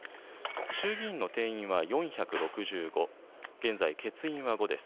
衆議院の定員は４６５、現在欠員は５です。